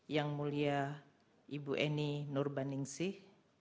yang mulia ibu eni nur baningsih